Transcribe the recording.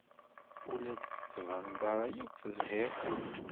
Ur la d-tettbaneḍ ara akk tezhiḍ.